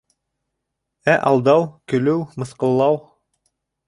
Ә алдау, көлөү, мыҫҡыллау?